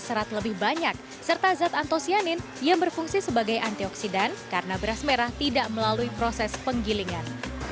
serat lebih banyak serta zat antosianin yang berfungsi sebagai antioksidan karena beras merah tidak melalui proses penggilingan